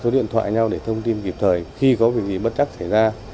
số điện thoại nhau để thông tin kịp thời khi có việc gì bất chắc xảy ra